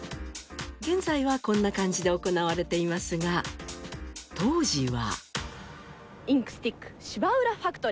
現在はこんな感じで行われていますが当時は。